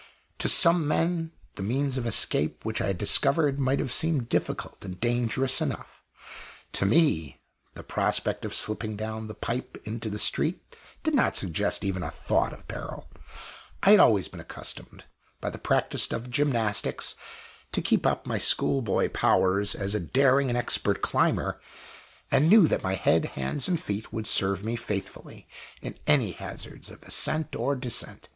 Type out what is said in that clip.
To some men the means of escape which I had discovered might have seemed difficult and dangerous enough to me the prospect of slipping down the pipe into the street did not suggest even a thought of peril. I had always been accustomed, by the practice of gymnastics, to keep up my school boy powers as a daring and expert climber; and knew that my head, hands, and feet would serve me faithfully in any hazards of ascent or descent.